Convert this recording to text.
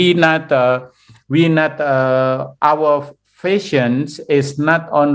bukan hanya satu pemandangan atau satu jenis fesyen